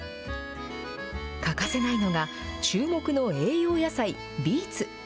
欠かせないのが、注目の栄養野菜、ビーツ。